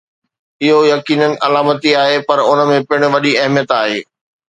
اهو يقيناً علامتي آهي، پر ان ۾ پڻ وڏي اهميت آهي.